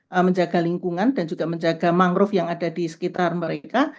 menjaga lingkungan dan juga menjaga mangrove yang ada di sekitar mereka